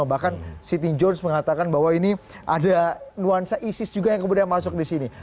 bahkan siti george mengatakan bahwa ini ada nuansa isis juga yang kemudian masuk di sini